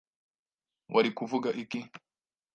Wari kuvuga iki?